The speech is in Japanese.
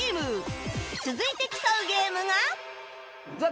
続いて競うゲームが